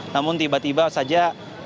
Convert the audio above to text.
namun tiba tiba saja